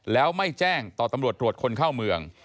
แล้วไม่แจ้งต่อตำรวจตรวจคนเข้าเมือง